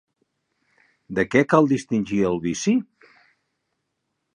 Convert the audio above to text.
De què cal distingir el vici?